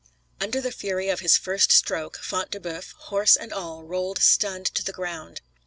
Under the fury of his first stroke, Front de Boeuf, horse and all, rolled stunned to the ground.